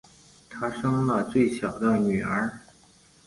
她生了最小的女儿